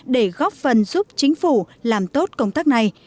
để góp phần giúp chính phủ làm tốt công tác này